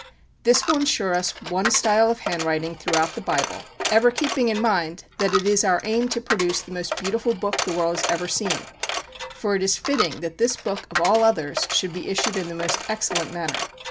This will insure us one style of handwriting throughout the Bible; ever keeping in mind that it is our aim to produce the most beautiful book the world has ever seen, for it is fitting that this book, of all others, should be issued in the most excellent manner."